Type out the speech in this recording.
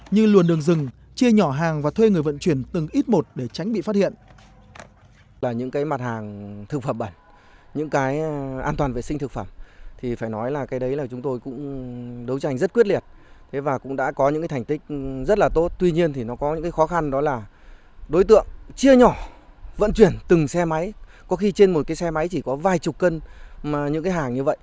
như luồn đường rừng chia nhỏ hàng và thuê người vận chuyển từng ít một để tránh bị phát hiện